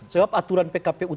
sebab aturan pkp u tiga puluh tiga